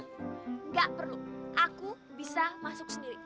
enggak perlu aku bisa masuk sendiri tau